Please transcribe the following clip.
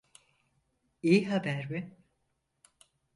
İyi haber mi?